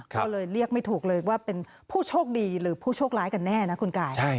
ก็เลยเรียกไม่ถูกเลยว่าเป็นผู้โชคดีหรือผู้โชคร้ายกันแน่นะคุณกาย